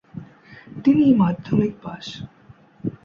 তিনি মাধ্যমিক পাশ।